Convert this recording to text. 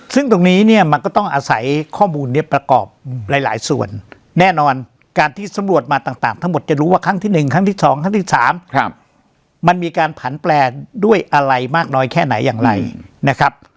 ซึ่งตรงนี้เนี่ยมันก็ต้องอาศัยข้อมูลนี้ประกอบหลายส่วนแน่นอนการที่สำรวจมาต่างทั้งหมดจะรู้ว่าครั้งที่๑ครั้งที่๒ครั้งที่๓มันมีการผันแปลด้วยอะไรมากน้อยแค่ไหนอย่างไรนะครับ